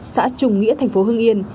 xã trùng nghĩa thành phố hưng yên